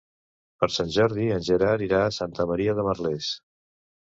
Per Sant Jordi en Gerard irà a Santa Maria de Merlès.